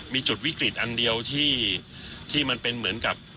มีจุดวิกฤตอันเดียวที่มันเป็นเหมือนกับ